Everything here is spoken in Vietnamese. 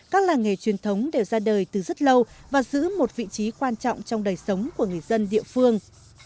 các làng nghề truyền thống đều ra đời từ rất lâu và giữ một vị trí quan trọng trong đời sống của người dân địa phương